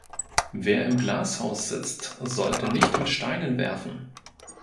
Wer im Glashaus sitzt, sollte nicht mit Steinen werfen.